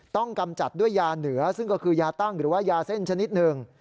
กำจัดด้วยยาเหนือซึ่งก็คือยาตั้งหรือว่ายาเส้นชนิดหนึ่ง